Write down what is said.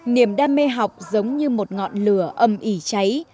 niềm đam mê học giống như một ngọn lửa âm ỉ cháy